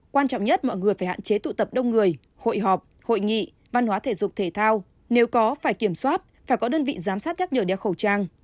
quan trọng nhất mọi người phải hạn chế tụ tập đông người hội họp hội nghị văn hóa thể dục thể thao nếu có phải kiểm soát phải có đơn vị giám sát nhắc nhở đeo khẩu trang